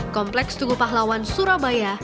kompleks tugu pahlawan surabaya